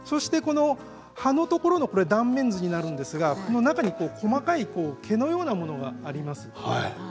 葉のところ断面図になるんですが中に細かい毛のようなものがあります。